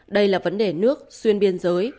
đây là vấn đề nước xuyên biên giới